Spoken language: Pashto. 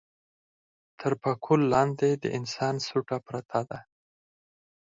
تر پکول لاندې د انسان سوټه پرته ده.